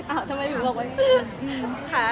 อ้าวทำไมถึงบอกว่า